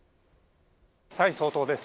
蔡総統です。